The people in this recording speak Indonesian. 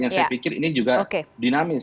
yang saya pikir ini juga dinamis